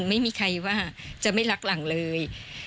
ไม่มีใครว่าจะไม่รักหลังเลย